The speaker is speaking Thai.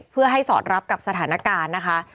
เพื่อให้สอดรับกับสถานการณ์นะคะ